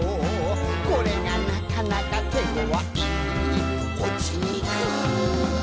「これがなかなか手ごわい」「落ちにくい」